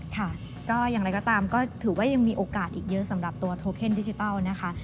ค่ะก็อย่างไรก็ตามก็ถือว่ายังมีโอกาสอีกเยอะสำหรับตัวโทเคนดิจิทัลนะคะ